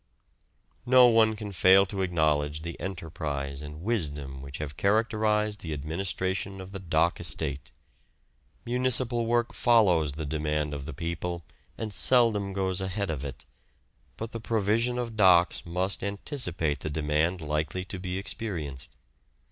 No one can fail to acknowledge the enterprise and wisdom which have characterised the administration of the dock estate. Municipal work follows the demand of the people, and seldom goes ahead of it; but the provision of docks must anticipate the demand likely to be experienced.